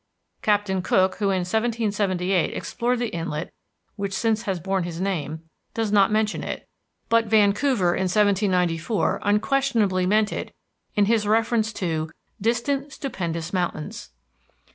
Captain Cook, who in 1778 explored the inlet which since has borne his name, does not mention it, but Vancouver in 1794 unquestionably meant it in his reference to "distant stupendous mountains."